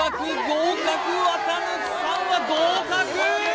合格綿貫さんは合格！